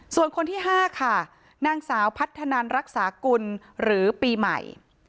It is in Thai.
ส่วนคนที่๕ค่ะนางสาวพัฒนันรักษากุลหรือปีใหม่